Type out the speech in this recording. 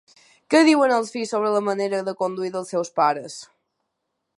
Què diuen els fills sobre la manera de conduir dels seus pares?